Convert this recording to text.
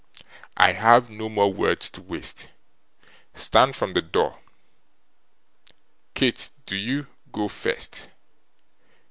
I have no more words to waste. Stand from the door. Kate, do you go first.